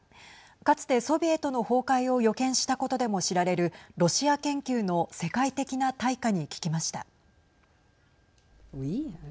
かつて、ソビエトの崩壊を予見したことでも知られるロシア研究の世界的な大家に聞きました。